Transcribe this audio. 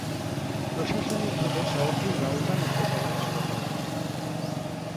প্রশাসনিকভাবে শহরটি রাউজান উপজেলার সদর।